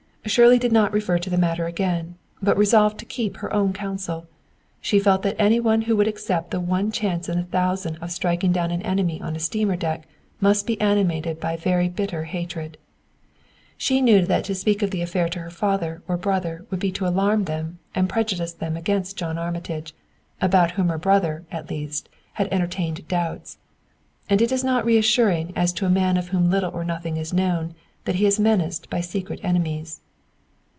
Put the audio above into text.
Shirley did not refer to the matter again, but resolved to keep her own counsel. She felt that any one who would accept the one chance in a thousand of striking down an enemy on a steamer deck must be animated by very bitter hatred. She knew that to speak of the affair to her father or brother would be to alarm them and prejudice them against John Armitage, about whom her brother, at least, had entertained doubts. And it is not reassuring as to a man of whom little or nothing is known that he is menaced by secret enemies.